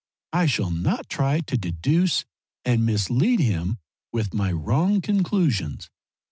I shall not try to deduce and mislead him with my wrong conclusions.